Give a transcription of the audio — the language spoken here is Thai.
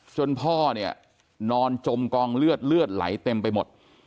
พ่อเนี่ยนอนจมกองเลือดเลือดไหลเต็มไปหมด